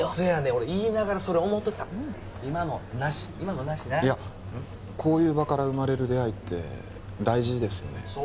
俺言いながらそれ思てた今のナシ今のナシないやこういう場から生まれる出会いって大事ですよね